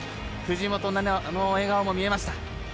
藤本那菜の笑顔も見えました。